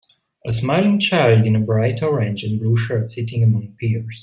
A smiling child in a bright orange and blue shirt sitting among peers.